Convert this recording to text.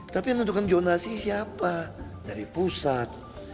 tapi yang menentukan zonasi siapa dari pusat